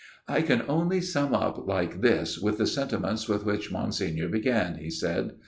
" I can only sum up like this with the sentiments with which Monsignor began," he said.